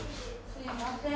すいません。